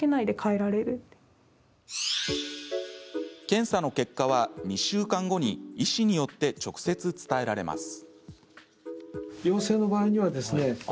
検査の結果は、２週間後に医師によって直接伝えられます。